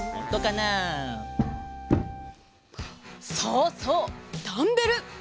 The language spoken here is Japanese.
そうそうダンベル！